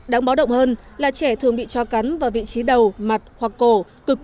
đáng báo động hơn là trẻ thường bị cho cắn vào vị trí đầu mặt hoặc cổ cực